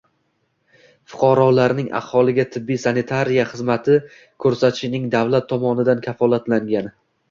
Fuqarolarniig aholiga tibbiy-sanitariya xizmati ko‘rsatishning davlat tomonidan kafolatlangan.